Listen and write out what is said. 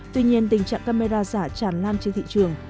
tuy nhiên tình trạng camera giả tràn lan trên thị trường